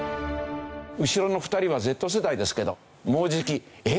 後ろの２人はＺ世代ですけどもうじき「えっ！